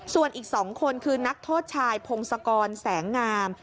ส่วนอีก๒คนคือนักโทษชายพงศกรแสงงาม